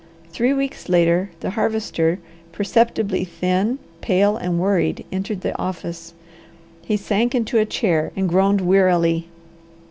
Three weeks later the Harvester, perceptibly thin, pale, and worried entered the office. He sank into a chair and groaned wearily.